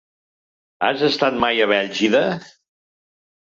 Has estat mai a Bèlgida?